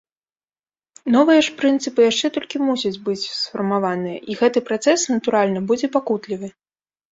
Новыя ж прынцыпы яшчэ толькі мусяць быць сфармаваныя, і гэты працэс, натуральна, будзе пакутлівы.